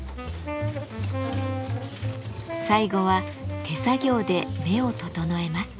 最後は手作業で目を整えます。